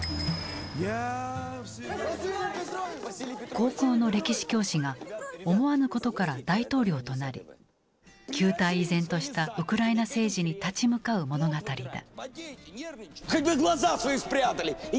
高校の歴史教師が思わぬことから大統領となり旧態依然としたウクライナ政治に立ち向かう物語だ。